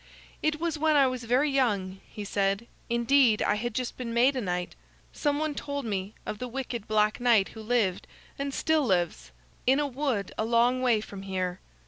"It was when I was very young," he said; "indeed, I had just been made a knight. Some one told me of the wicked Black Knight who lived, and still lives, in a wood a long way from here.